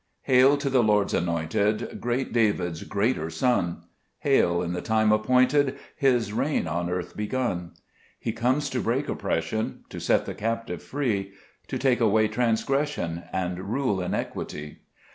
HAIL to the Lord's Anointed, Great David's greater Son ! Hail, in the time appointed, His reign on earth begun ! He comes to break oppression, To set the captive free, To take away transgression, And rule in equity.